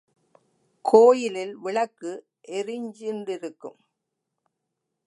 கோயிலில் விளக்கு எரிஞ்சுண்டிருக்கும்.